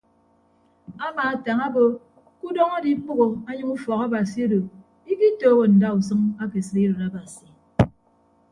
Amaatañ obo ke udọñ adikpʌghọ anyịñ ufọk abasi odo ikitooho ndausʌñ ake sibidịt abasi.